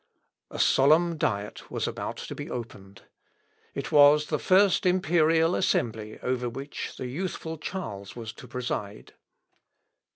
A solemn Diet was about to be opened. It was the first imperial assembly over which the youthful Charles was to preside.